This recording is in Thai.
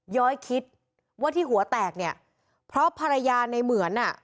ย้อยคิดว่าที่หัวแตกเนี่ยเพราะภรรยาในเหมือนอ่ะ